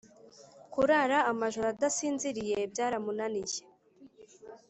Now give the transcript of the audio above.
kurara amajoro adasinziriye byaramunaniye